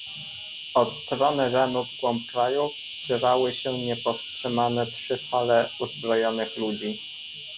"Od strony Renu wgłąb kraju wdzierały się niepowstrzymane trzy fale uzbrojonych ludzi."